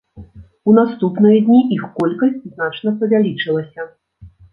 У наступныя дні іх колькасць значна павялічылася.